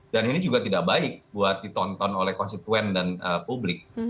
dan ini juga tidak baik buat ditonton oleh konstituen dan publik